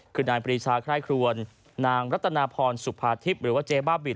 คือนายปรีชาไคร่ครวนนางรัตนาพรสุภาทิพย์หรือว่าเจ๊บ้าบิน